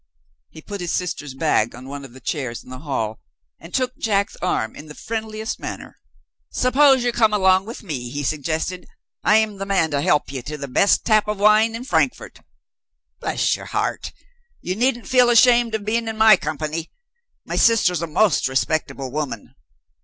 He put his sister's bag on one of the chairs in the hall, and took Jack's arm in the friendliest manner. "Suppose you come along with me?" he suggested. "I am the man to help you to the best tap of wine in Frankfort. Bless your heart! you needn't feel ashamed of being in my company. My sister's a most respectable woman.